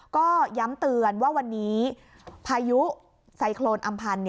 ก็ย้ำเตือนว่าวันนี้พายุไซโครนอำพันธ์